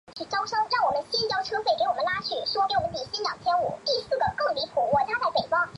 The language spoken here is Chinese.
河源的文化以客家文化为主。